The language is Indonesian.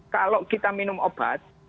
kalau kita minum obat